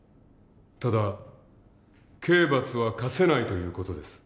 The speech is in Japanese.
ただ刑罰は科せないという事です。